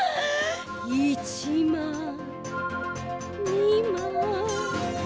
１まい２まい。